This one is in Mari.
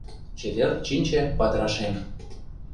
Чевер чинче падырашем;